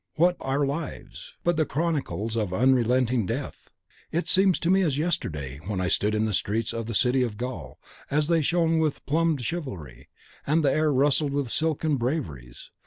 What our lives, but the chronicles of unrelenting death! It seems to me as yesterday when I stood in the streets of this city of the Gaul, as they shone with plumed chivalry, and the air rustled with silken braveries.